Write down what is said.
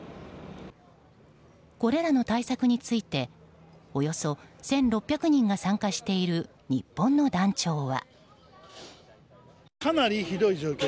これらの対策についておよそ１６００人が参加している日本の団長は。